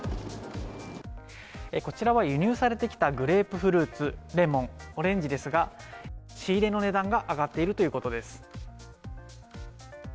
こちらは輸入されてきたグレープフルーツ、レモン、オレンジですが、仕入れの値段が上がっているということです。